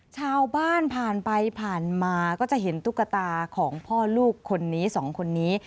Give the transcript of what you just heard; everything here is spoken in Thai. ชาวบ้านผ่านไปผ่านมาก็จะเห็นตุ๊กตาของพ่อลูกคนนี้สองคนนี้